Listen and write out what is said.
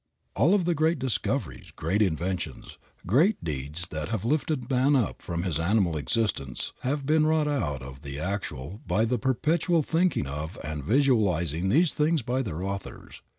All the great discoveries, great inventions, great deeds that have lifted man up from his animal existence have been wrought out of the actual by the perpetual thinking of and visualizing these things by their authors.